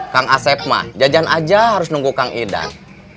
kang asep mah jajan aja harus nunggu kang idan